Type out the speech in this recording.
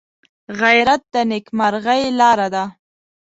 غیرت د نیکمرغۍ لاره ده